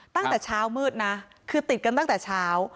ตั้งแต่เช้ามืดนะคือติดกันตั้งแต่เช้า